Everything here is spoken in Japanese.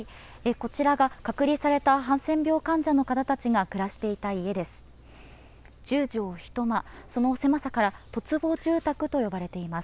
こちらが隔離されたハンセン病患者の方たちが暮らしていた家です。